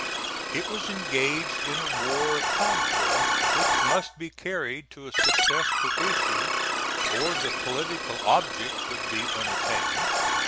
It was engaged in a war of conquest which must be carried to a successful issue, or the political object would be unattained.